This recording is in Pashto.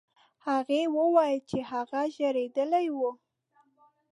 هغې وویل چې هغه ژړېدلی و.